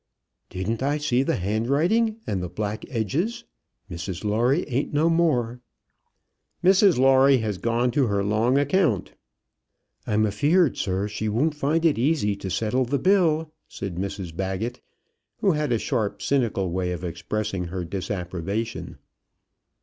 "Didn't I see the handwriting, and the black edges? Mrs Lawrie ain't no more." "Mrs Lawrie has gone to her long account." "I'm afeared, sir, she won't find it easy to settle the bill," said Mrs Baggett, who had a sharp, cynical way of expressing her disapprobation.